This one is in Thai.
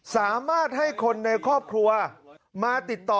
สามารถให้คนในครอบครัวมาติดต่อ